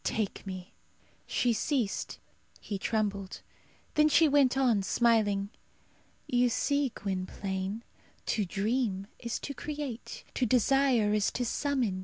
Take me." She ceased; he trembled. Then she went on, smiling, "You see, Gwynplaine, to dream is to create; to desire is to summon.